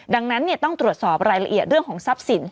ดังนั้นต้องตรวจสอบรายละเอียดเรื่องของทรัพย์สิน